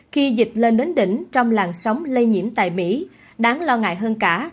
khi dịch lên đến đỉnh trong làn sóng lây nhiễm tại mỹ đáng lo ngại hơn cả